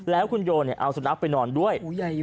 แล้วคุณโยเอาสุนัขไปนอนด้วย